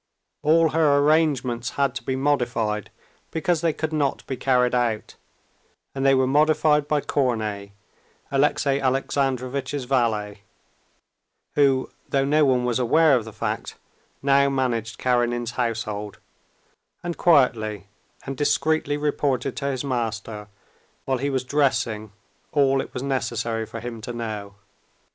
All her arrangements had to be modified because they could not be carried out, and they were modified by Korney, Alexey Alexandrovitch's valet, who, though no one was aware of the fact, now managed Karenin's household, and quietly and discreetly reported to his master while he was dressing all it was necessary for him to know.